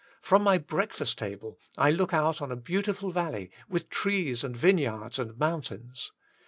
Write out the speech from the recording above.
From my breakfast table I look out on a beautiful valley, with trees and vineyards and mountains.